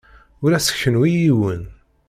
Ur as-kennu i yiwen.